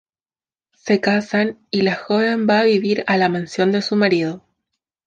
Se casan y la joven va a vivir a la mansión de su marido.